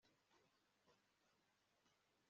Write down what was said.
amateka turabizi atera amatage